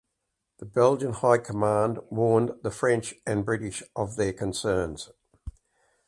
The Belgian High Command warned the French and British of their concerns.